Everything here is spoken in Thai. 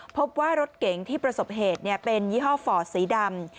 พบว่ารถเก๋งที่ประสบเหตุเป็นยี่ห้อฟอร์ดสีดำ